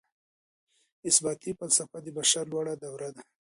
اثباتي فلسفه د بشر لوړه دوره ده.